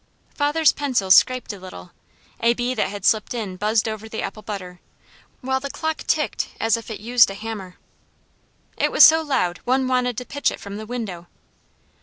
Father's pencil scraped a little, a bee that had slipped in buzzed over the apple butter, while the clock ticked as if it used a hammer. It was so loud one wanted to pitch it from the window.